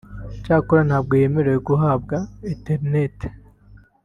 Cyakora ntabwo yemerewe guhabwa (Internet)